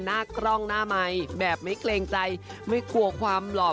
หน้ากล้องหน้าไมค์แบบไม่เกรงใจไม่กลัวความหลอก